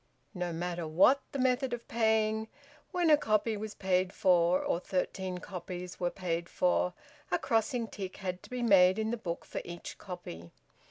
No matter what the method of paying, when a copy was paid for, or thirteen copies were paid for, a crossing tick had to be made in the book for each copy.